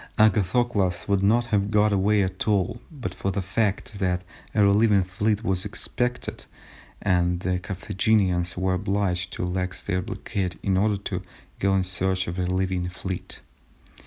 Agathocles would not have got away at all but for the fact that a relieving fleet was expected, and the Carthaginians were obliged to relax their blockade in order to go in search of the relieving fleet.